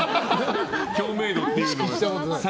共鳴度っていうのが。